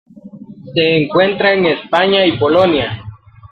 Se encuentra en España y Polonia.